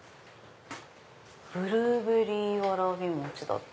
ブルーベリーわらび餅だって。